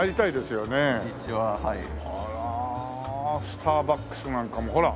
スターバックスなんかもほら！